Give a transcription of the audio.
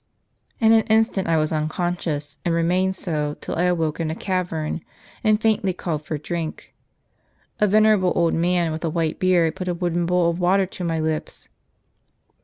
"In an instant, I was unconscious; and remained so, till I awoke in a cavern, and faintly called for drink. A venerable old man, with a white beard, put a wooden bowl of water to mj lips.